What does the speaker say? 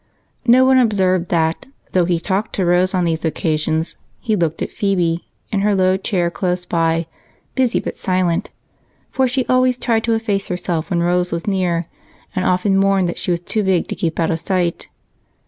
No one observed that, though he talked to Rose on these occasions, he looked at Phebe, in her low chair close by, busy but silent, for she always tried to efface herself when Rose was near and often mourned that she was too big to keep out of sight.